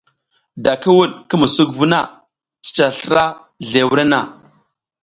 Da ki wuɗ ki musuk vu na, cica slra zle wurenna.